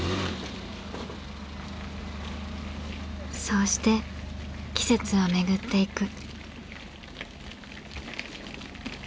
そうして季節はめぐっていく。